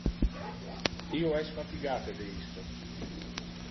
Io es fatigate de isto.